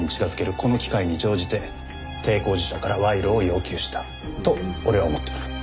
この機会に乗じて帝光地所から賄賂を要求したと俺は思ってます。